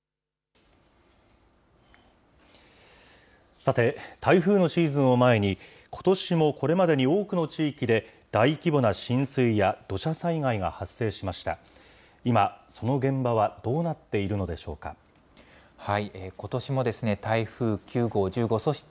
さて、台風のシーズンを前に、ことしもこれまでに多くの地域で大規模な浸水や、土砂災害が発生しました。